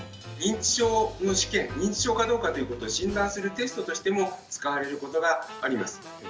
認知症の試験認知症かどうかということを診断するテストとしても使われることがあります。